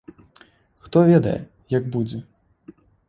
Хто ведае, як будзе?